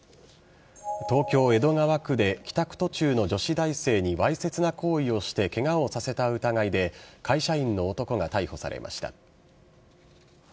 東京・江戸川区で、帰宅途中の女子大生にわいせつな行為をしてけがをさせた疑いで、会社員の男が逮捕されました。